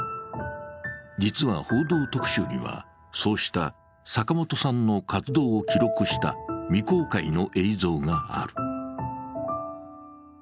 実は、「報道特集」には、そうした坂本さんの活動を記録した未公開の映像がある。